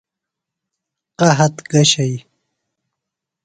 قحط گہ شئی ؟